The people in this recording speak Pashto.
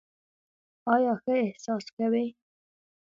ایا ښه احساس کوئ؟